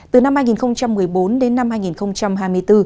từ năm hai nghìn một mươi bốn đến năm hai nghìn hai mươi bốn